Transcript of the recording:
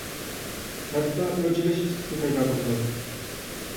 ھەتتا ئۆچ ئېلىش ئىستىكى پەيدا بولىدۇ.